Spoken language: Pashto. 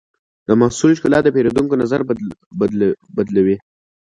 د محصول ښکلا د پیرودونکي نظر بدلونوي.